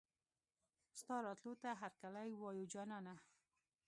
ستا راتلو ته هرکلی وايو جانانه